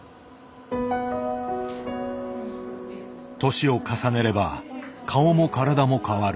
年を重ねれば顔も体も変わる。